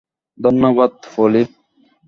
ধন্যবাদ, পলি।